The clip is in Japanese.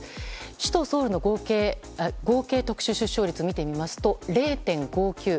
首都ソウルの合計特殊出生率を見てみますと０．５９。